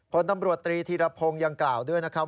ผลตำรวจตรีธีรพงศ์ยังกล่าวด้วยนะครับ